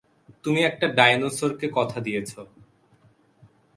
তুমি একটা ডাইনোসরকে কথা দিয়েছো!